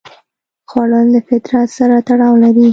خوړل د فطرت سره تړاو لري